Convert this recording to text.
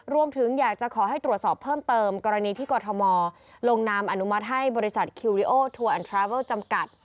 รวมถึงอยากจะขอให้ตรวจสอบเพิ่มเติมกรณีที่กรทมลงนามอนุมัติให้บริษัทคิวริโอทัวร์อันทราเวิลจำกัด